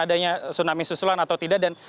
adanya tsunami susulan atau tidak dan